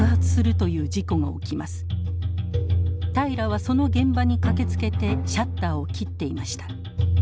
平良はその現場に駆けつけてシャッターを切っていました。